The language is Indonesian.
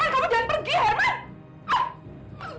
hermann kamu jangan pergi